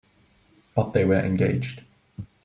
But they were engaged.